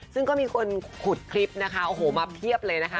ซึ่งก็มีคนขุดคลิปมาเทียบเลยนะคะ